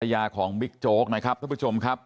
ท่ายาของบิ๊กโจ๊คนะครับทุกผู้ชมครับ